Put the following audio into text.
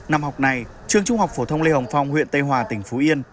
năm học này trường trung học phổ thông lê hồng phong huyện tây hòa tỉnh phú yên